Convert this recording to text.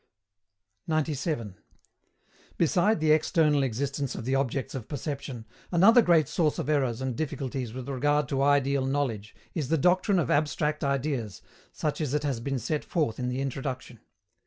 97. Beside the external existence of the objects of perception, another great source of errors and difficulties with regard to ideal knowledge is the doctrine of abstract ideas, such as it has been set forth in the Introduction.